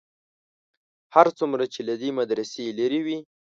هر څومره چې له دې مدرسې لرې وې.